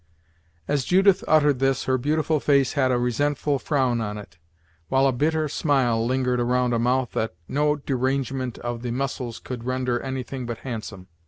As Judith uttered this, her beautiful face had a resentful frown on it; while a bitter smile lingered around a mouth that no derangement of the muscles could render anything but handsome.